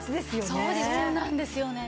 そうなんですよね。